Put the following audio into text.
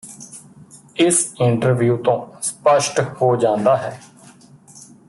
ਇਸ ਇੰਟਰਵਿਊ ਤੋਂ ਸਪੱਸ਼ਟ ਹੋ ਜਾਂਦਾ ਹੈ